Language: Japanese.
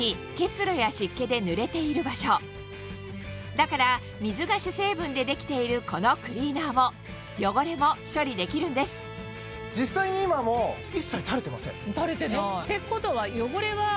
だから水が主成分でできているこのクリーナーも汚れを処理できるんですてことは汚れは。